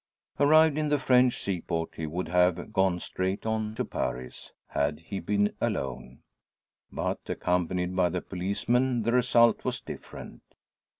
Arrived in the French seaport, he would have gone straight on to Paris had he been alone. But accompanied by the policeman the result was different.